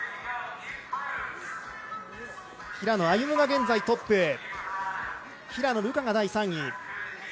平野歩夢が現在トップ平野流佳が第３位。